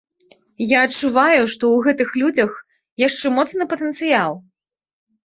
Я адчуваю, што ў гэтых людзях яшчэ моцны патэнцыял!